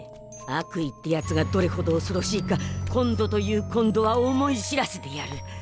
悪意ってやつがどれほどおそろしいか今度という今度は思い知らせてやる！